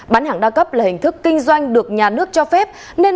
bán hàng đa cấp là hình thức kinh doanh được nhà nước cho phép nên